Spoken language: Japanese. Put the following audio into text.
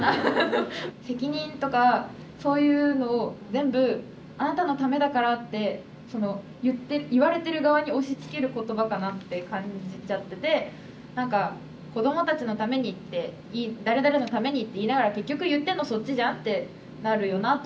責任とかそういうのを全部「あなたのためだから」ってその言われてる側に押しつける言葉かなって感じちゃってて何か「子どもたちのために」って「誰々のために」って言いながら「結局言ってるのそっちじゃん」ってなるよなと思って。